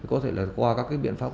có thể là qua các biện pháp